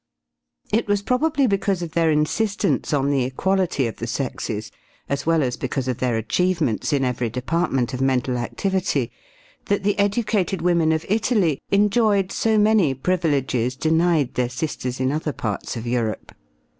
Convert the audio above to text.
It was probably because of their insistence on the equality of the sexes, as well as because of their achievements in every department of mental activity, that the educated women of Italy enjoyed so many privileges denied their sisters in other parts of Europe.